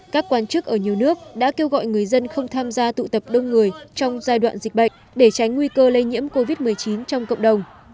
các quan chức ở nhiều nước đã kêu gọi người dân không tham gia tụ tập đông người trong giai đoạn dịch bệnh để tránh nguy cơ lây nhiễm covid một mươi chín trong cộng đồng